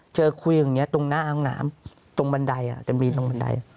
เจอคุยอย่างนี้ตรงหน้าห้องน้ำตรงบันไดจะมีตรงบันได